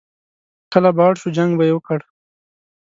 کله به اړ شو، جنګ به یې وکړ.